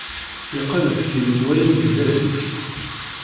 Yeqqel d tili n wayen yella zik.